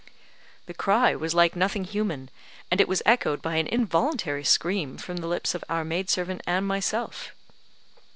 The cry was like nothing human, and it was echoed by an involuntary scream from the lips of our maid servant and myself.